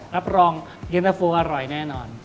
รับรองเย็นตะฟูอร่อยแน่นอน